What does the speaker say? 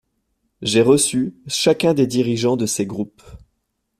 J’ai reçu chacun des dirigeants de ces groupes.